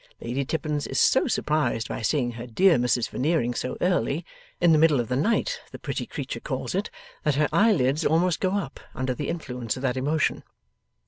Lady Tippins is so surprised by seeing her dear Mrs Veneering so early in the middle of the night, the pretty creature calls it that her eyelids almost go up, under the influence of that emotion.